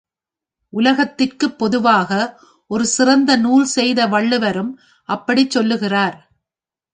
உலகத்திற்குப் பொதுவாக ஒரு சிறந்த நூல் செய்த வள்ளுவரும் அப்படிச் சொல்லுகிறார்.